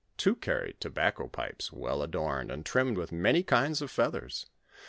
Two carried tobacco pipes well adorned, and trimmed with many kinds of feathers.